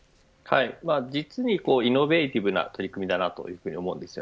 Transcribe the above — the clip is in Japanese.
実にイノベイティブな取り組みだと思います。